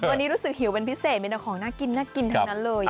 วันนี้รู้สึกหิวเป็นพิเศษมีแต่ของน่ากินน่ากินทั้งนั้นเลย